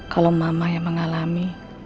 kalau mama yang mengalami